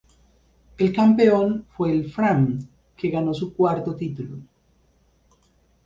El campeón fue el Fram que ganó su cuarto título.